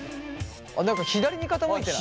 何か左に傾いてない？